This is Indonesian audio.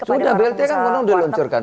sudah blt kan udah diluncurkan